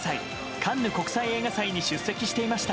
カンヌ国際映画祭に出席していました。